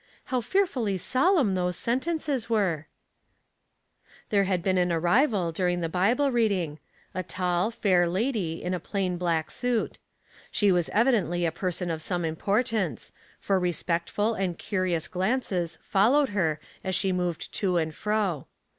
How fearfully solemn those sentences were I " There had beer an arrlfttl during the Bible reading, a tall, fair lady, in a plain black suit. She was evidently a person of some import ance, for respectful and curious glances followed her as she moved to and fro.